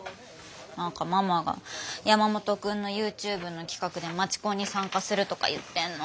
なんかママが山本君のＹｏｕＴｕｂｅの企画で街コンに参加するとか言ってんの。